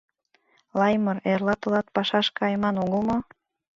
— Лаймыр, эрла тылат пашаш кайыман огыл мо?